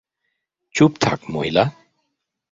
চুপ থাক, মহিলা।